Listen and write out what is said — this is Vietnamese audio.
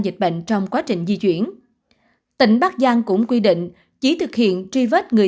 dịch bệnh trong quá trình di chuyển tỉnh bắc giang cũng quy định chỉ thực hiện truy vết người